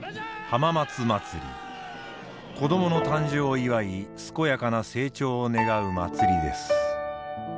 子供の誕生を祝い健やかな成長を願う祭りです。